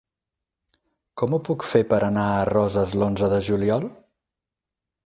Com ho puc fer per anar a Roses l'onze de juliol?